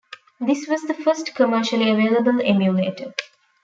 This was the first commercially available emulator.